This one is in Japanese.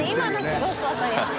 すごく分かりやすい。